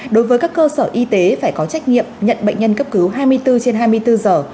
đối với các cơ sở y tế phải có trách nhiệm nhận bệnh nhân cấp cứu hai mươi bốn trên hai mươi bốn giờ